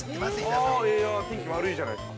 ◆あ、いや、天気悪いじゃないですか。